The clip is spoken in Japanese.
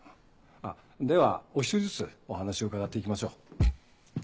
あっではお１人ずつお話を伺って行きましょう。